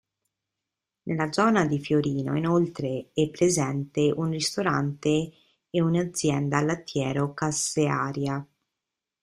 Nella zona di Fiorino inoltre è presente un Ristorante e un'azienda lattiero casearia.